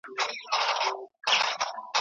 ټولنه د مطالعې فرهنګ ته په غني کولو بوخته ده.